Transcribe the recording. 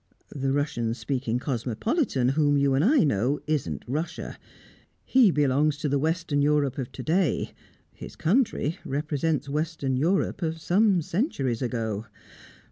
The Russian speaking cosmopolitan whom you and I know isn't Russia; he belongs to the Western Europe of to day, his country represents Western Europe of some centuries ago.